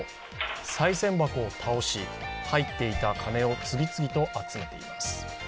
さい銭箱を倒し入っていた金を次々と集めています。